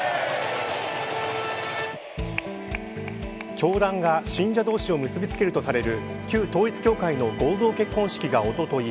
教団が信者同士を結びつけるとされる旧統一教会の合同結婚式がおととい